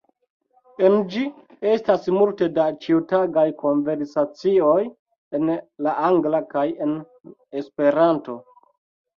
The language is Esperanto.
En ĝi, estas multe da ĉiutagaj konversacioj en la Angla kaj en Esperanto.